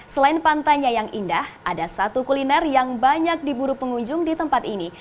selain pantainya yang indah ada satu kuliner yang banyak diburu pengunjung di tempat ini